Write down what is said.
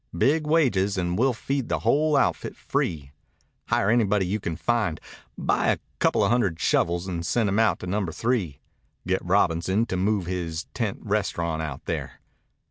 Big wages and we'll feed the whole outfit free. Hire anybody you can find. Buy a coupla hundred shovels and send 'em out to Number Three. Get Robinson to move his tent restaurant out there."